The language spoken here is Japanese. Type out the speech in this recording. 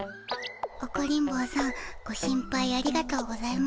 オコリン坊さんご心配ありがとうございます。